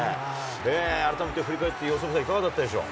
改めて振り返って由伸さん、いかがだったでしょう。